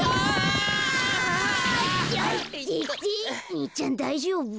にいちゃんだいじょうぶ？